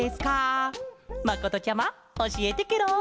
まことちゃまおしえてケロ。